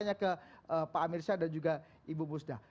tanya ke pak amir syah dan juga ibu musda